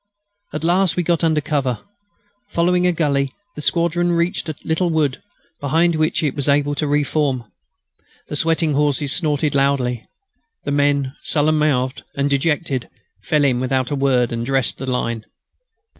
At last we got under cover. Following a gully, the squadron reached a little wood, behind which it was able to re form. The sweating horses snorted loudly. The men, sullen mouthed and dejected, fell in without a word and dressed the line.